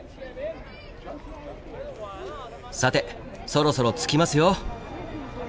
さてそろそろ着きますよ。